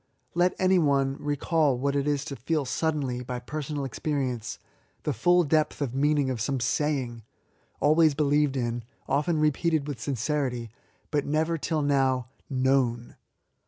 Let any one recall what it is to feel suddenly, by personal experience, the 66 ESSAYS. full depth of meajiizig of some sayings always beUeved in, often repeated with sincerity^ but never till now known.